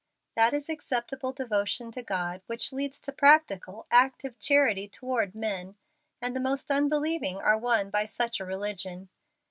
That is acceptable devotion to God which leads to practical, active charity toward men, and the most unbelieving are won by such a religion.